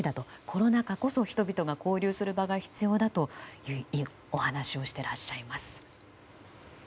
コロナ禍こそ人々が交流する場が必要だとお話をしてらっしゃいます。